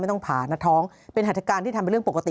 ต้องผ่านะท้องเป็นหัฐการที่ทำเป็นเรื่องปกติ